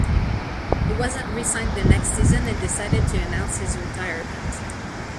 He wasn't re-signed the next season and decided to announce his retirement.